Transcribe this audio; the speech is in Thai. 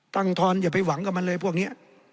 ทอนอย่าไปหวังกับมันเลยพวกนี้